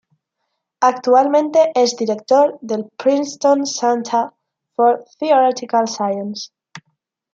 Actualmente es director del Princeton Center for Theoretical Science.